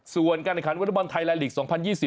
ส่วนการณ์ขันวนละบอลไทยลายลีกส์๒๐๒๐